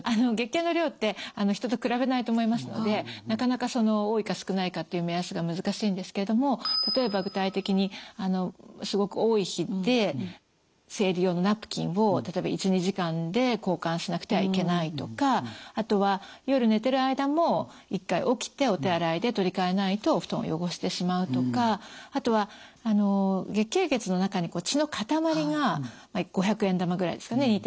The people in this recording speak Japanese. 月経の量って人と比べないと思いますのでなかなかその多いか少ないかっていう目安が難しいんですけれども例えば具体的にすごく多い日で生理用のナプキンを例えば１２時間で交換しなくてはいけないとかあとは夜寝てる間も１回起きてお手洗いで取り替えないとお布団を汚してしまうとかあとは月経血の中に血の塊が５００円玉ぐらいですかね